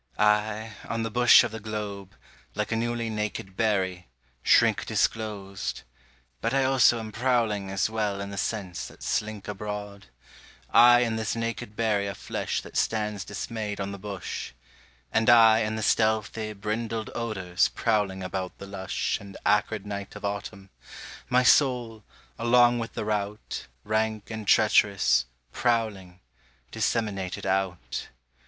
I, on the bush of the globe, Like a newly naked berry, shrink Disclosed: but I also am prowling As well in the scents that slink Abroad: I in this naked berry Of flesh that stands dismayed on the bush; And I in the stealthy, brindled odours Prowling about the lush And acrid night of autumn; My soul, along with the rout, Rank and treacherous, prowling, Disseminated out.